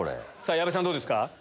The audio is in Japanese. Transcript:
矢部さんどうですか？